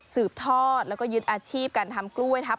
สืบทอดแล้วก็ยึดอาชีพการทำกล้วยทัพ